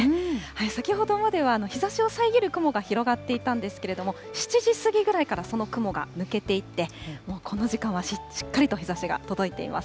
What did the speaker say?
先ほどまでは日ざしを遮る雲が広がっていたんですけれども、７時過ぎぐらいからその雲が抜けていって、もうこの時間はしっかりと日ざしが届いています。